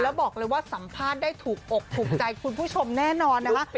แล้วบอกเลยว่าสัมภาษณ์ได้ถูกอกถูกใจคุณผู้ชมแน่นอนนะคะ